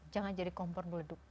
jangan jadi kompor meleduk